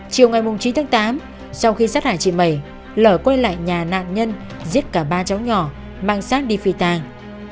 chiều ngày chín tháng tám sau khi sát hại chị mẩy lở quay lại nhà nạn nhân giết cả ba cháu nhỏ mang sát đi phi tàng